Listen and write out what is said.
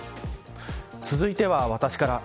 続いては私から。